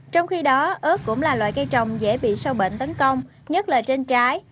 trong khi đó ớt cũng là loại cây trồng dễ bị sâu bệnh tấn công nhất là trên trái